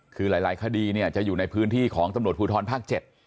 คือหลายคดีเนี่ยจะอยู่ในพื้นที่ของตำรวจภูทรภาค๗